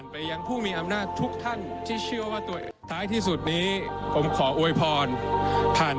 เพียงพอที่จะเห็นความพยายามของท่าน